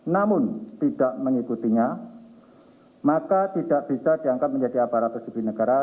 namun tidak mengikutinya maka tidak bisa diangkat menjadi aparatur sipil negara